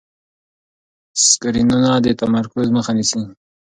سکرینونه د تمرکز مخه نیسي.